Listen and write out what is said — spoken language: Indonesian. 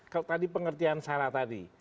kalau tadi pengertian sarah tadi